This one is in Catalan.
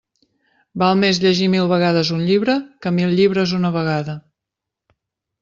Val més llegir mil vegades un llibre que mil llibres una vegada.